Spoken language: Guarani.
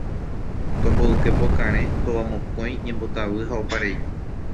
Tomboyke pokarẽ, tovamokõi, ñembotavy ha oparei